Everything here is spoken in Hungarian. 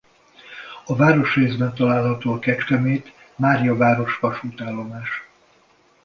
A városrészben található a Kecskemét-Máriaváros vasútállomás.